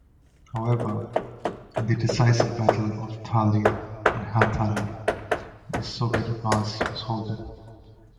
However, in the decisive Battle of Tali-Ihantala, the Soviet advance was halted.